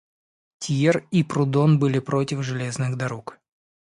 Тьер и Прудон были против железных дорог.